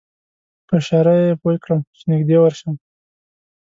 په اشاره یې پوی کړم چې نږدې ورشم.